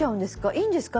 いいんですか？